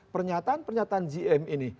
pernyataan pernyataan gm ini